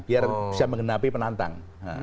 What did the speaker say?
biar bisa menghendapi penantang